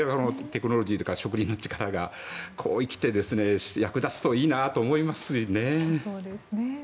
テクノロジー、職人の力が生きて役立つといいなと思いますね。